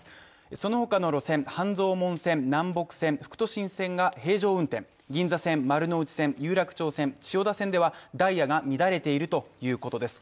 そのほかの路線、半蔵門線、南北線副都心線が平常運転、銀座線、丸ノ内線、有楽町線、千代田線ではダイヤが乱れているということです。